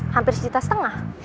hampir sejuta setengah